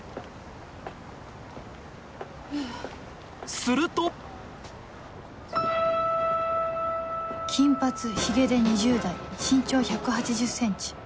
すると金髪ヒゲで２０代身長 １８０ｃｍ